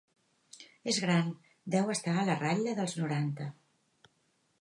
És gran: deu estar a la ratlla dels noranta.